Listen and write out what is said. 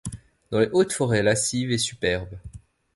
Dans les hautes forêts lascives et superbes